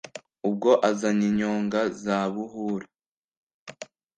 Ubwo azanye inyonga za Buhura,